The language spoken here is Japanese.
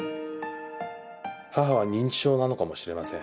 母は認知症なのかもしれません。